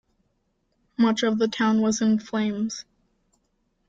Much of the town was in flames.